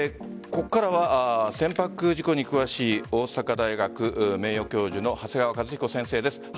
ここからは船舶事故に詳しい大阪大学名誉教授の長谷川和彦先生です。